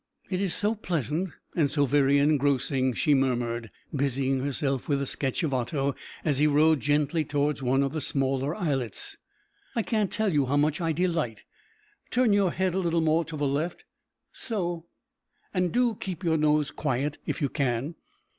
"It is so pleasant and so very engrossing," she murmured, busying herself with a sketch of Otto as he rowed gently towards one of the smaller islets. "I can't tell you how much I delight turn your head a little more to the left so and do keep your nose quiet if you can."